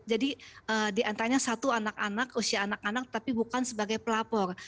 jadi diantaranya satu anak anak usia anak anak tapi bukan sebagai pelapor